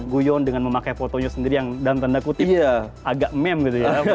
guyon dengan memakai fotonya sendiri yang dalam tanda kutip agak meme gitu ya